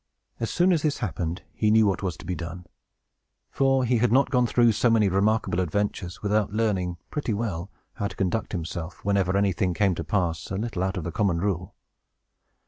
As soon as this happened, he knew what was to be done; for he had not gone through so many remarkable adventures without learning pretty well how to conduct himself, whenever anything came to pass a little out of the common rule.